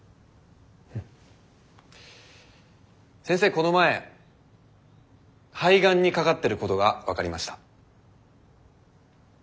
この前肺がんにかかってることが分かりました。